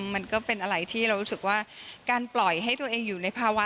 มันก็เป็นอะไรที่เรารู้สึกว่าการปล่อยให้ตัวเองอยู่ในภาวะ